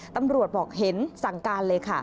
ตำรวจบอกเห็นสั่งการเลยค่ะ